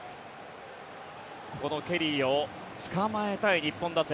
このケリーをつかまえたい日本打線。